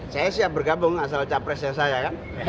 saya siap bergabung asal capresnya saya kan